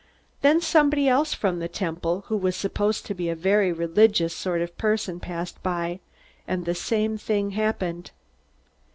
Then somebody else from the Temple, who was supposed to be a very religious sort of person, passed by, and the same thing happened.